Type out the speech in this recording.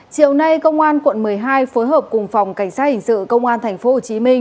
chiều nay công an quận một mươi hai phối hợp cùng phòng cảnh sát hình sự công an tp hcm